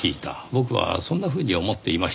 僕はそんなふうに思っていました。